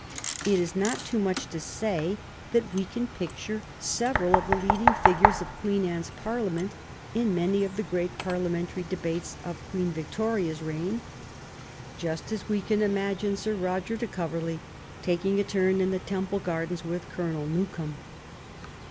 It is not too much to say that we can picture several of the leading figures of Queen Anne's Parliament in many of the great parliamentary debates of Queen Victoria's reign, just as we can imagine Sir Roger de Coverley taking a turn in the Temple Gardens with Colonel Newcome.